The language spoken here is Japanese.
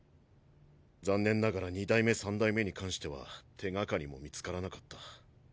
残念ながら２代目・３代目に関しては手掛かりも見つからなかった。